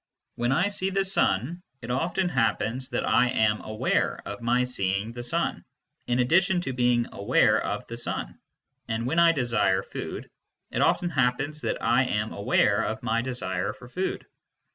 When I see the sun, it often happens that I am aware of my seeing the sun, in addition to being aware of the sun ; and when I desire food, it often happens that I am aware of my desire for food.